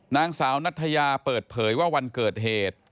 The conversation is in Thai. นางสาวนัทยาเปิดเผยว่าวันเกิดเหตุ